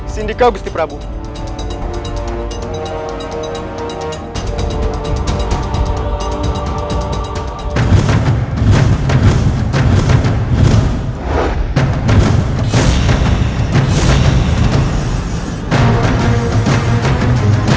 sindika gusti pramoda